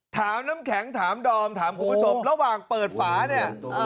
น้ำแข็งถามดอมถามคุณผู้ชมระหว่างเปิดฝาเนี่ย